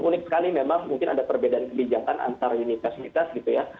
unik sekali memang mungkin ada perbedaan kebijakan antar universitas gitu ya